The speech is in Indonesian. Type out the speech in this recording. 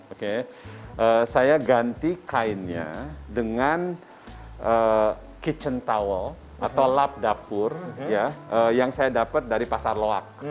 oke saya ganti kainnya dengan kitchen towell atau lap dapur yang saya dapat dari pasar loak